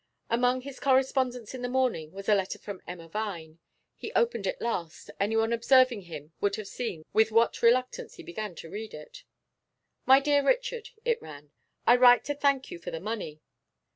Among his correspondence in the morning was a letter from Emma Vine. He opened it last; anyone observing him would have seen with what reluctance he began to read it. 'My dear Richard,' it ran, 'I write to thank you for the money.